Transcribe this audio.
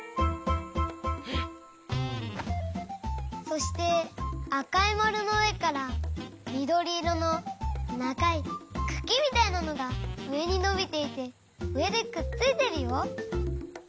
そしてあかいまるのうえからみどりいろのながいくきみたいなのがうえにのびていてうえでくっついてるよ。